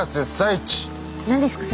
何ですか？